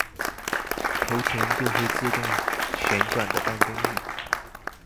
投錢就會自動旋轉的辦公椅